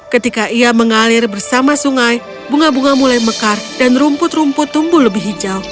ketika ia mengalir bersama sungai bunga bunga mulai mekar dan rumput rumput tumbuh lebih hijau